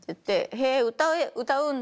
「へえ歌うんだ。